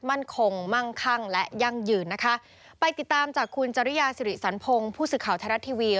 มั่นคงมั่งคั่งและยั่งยืนนะคะไปติดตามจากคุณจริยาสิริสันพงศ์ผู้สื่อข่าวไทยรัฐทีวี